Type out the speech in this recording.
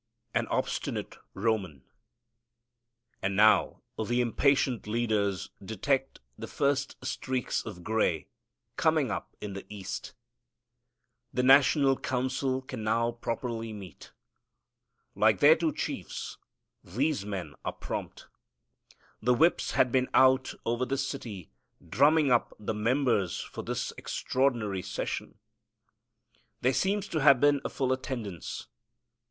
An Obstinate Roman. And now the impatient leaders detect the first streaks of gray coming up in the east. The national council can now properly meet. Like their two chiefs, these men are prompt. The whips had been out over the city drumming up the members for this extraordinary session. There seems to have been a full attendance.